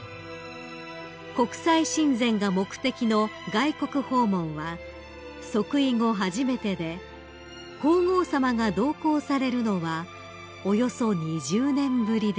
［国際親善が目的の外国訪問は即位後初めてで皇后さまが同行されるのはおよそ２０年ぶりです］